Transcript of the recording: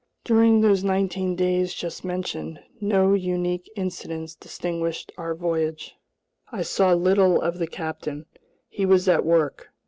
During those nineteen days just mentioned, no unique incidents distinguished our voyage. I saw little of the captain. He was at work.